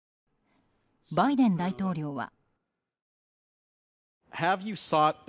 バイデン大統領は。